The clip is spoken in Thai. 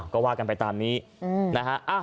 ก็ว่ากันไปตามนี้นะฮะ